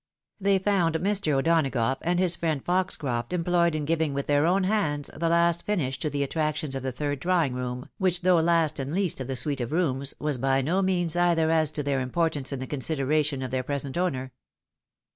They found JSIr. O'Donagough and his friend Foxcroft em ployed in giving with their own hands the last finish to the attractions of the third drawing room, which though last and least of the suite of rooms, was by no means either as to their importance in the consideration of their present owner.